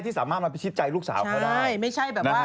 ที่สามารถมาพิชิตใจลูกสาวเขาได้